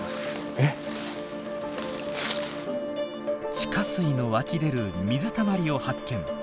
地下水の湧き出る水たまりを発見。